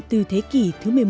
từ thế kỷ thứ một mươi một